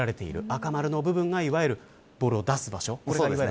赤丸の部分が、いわゆるボールを出す場所です。